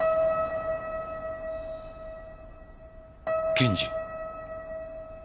検事？